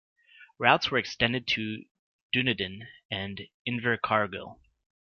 Routes were extended to Dunedin and Invercargill.